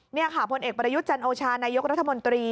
นี่ค่ะพลเอกประยุทธ์จันโอชานายกรัฐมนตรี